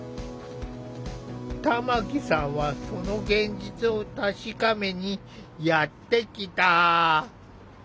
玉木さんはその現実を確かめにやって来た。